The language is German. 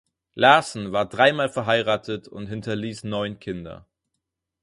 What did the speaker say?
Larson war dreimal verheiratet und hinterließ neun Kinder.